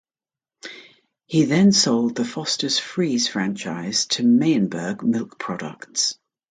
He then sold the Fosters Freeze franchise to Meyenberg Milk Products.